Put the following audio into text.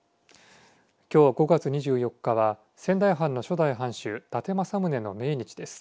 きょう５月２４日は仙台藩の初代藩主伊達政宗の命日です。